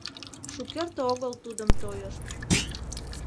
Шукерте огыл тудым тойышт.